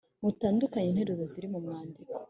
mutandukuye interuro ziri mu mwandiko.